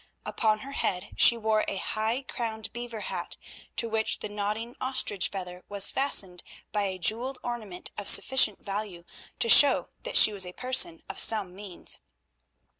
Upon her head she wore a high crowned beaver hat, to which the nodding ostrich feather was fastened by a jewelled ornament of sufficient value to show that she was a person of some means.